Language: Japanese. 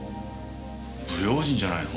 不用心じゃないの？